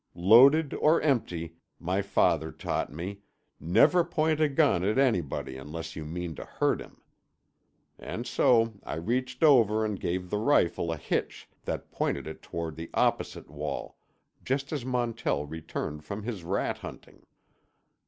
Loaded or empty, my father taught me, never point a gun at anybody unless you mean to hurt him. And so I reached over and gave the rifle a hitch that pointed it toward the opposite wall, just as Montell returned from his rat hunting.